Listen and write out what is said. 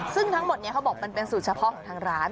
ซึ่งทั้งหมดนี้เขาบอกมันเป็นสูตรเฉพาะของทางร้าน